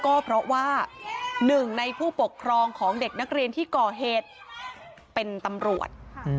ก็เพราะว่าหนึ่งในผู้ปกครองของเด็กนักเรียนที่ก่อเหตุเป็นตำรวจ